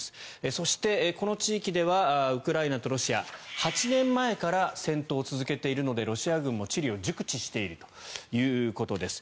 そして、この地域ではウクライナとロシア、８年前から戦闘を続けているのでロシア軍も地理を熟知しているということです。